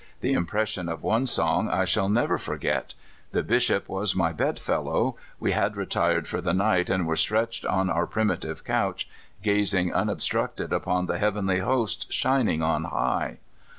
The impression of one song I shall never forget. The Bishop was my bed fellow. We had retired for the night, and were stretched on our primitive couch, gazing unobstructed upon the heavenly hosts shining on high.